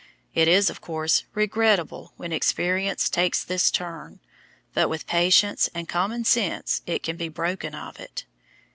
It is, of course, regrettable when experience takes this turn, but with patience and common sense it can be broken of it.